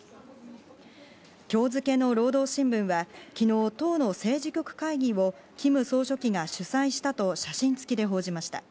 今日付の労働新聞は昨日、党の政治局会議をキム総書記が主催したと写真付きで報じました。